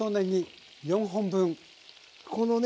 このね